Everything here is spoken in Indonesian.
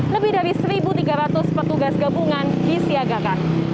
lebih dari satu tiga ratus petugas gabungan disiagakan